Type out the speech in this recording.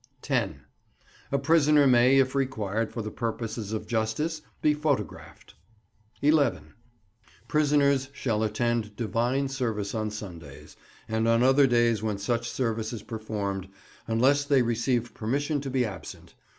10. A prisoner may, if required for the purposes of justice, be photographed. 11. Prisoners shall attend divine service on Sundays, and on other days when such service is performed, unless they receive permission to be absent.